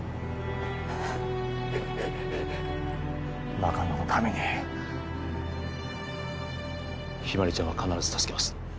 中野のために日葵ちゃんは必ず助けます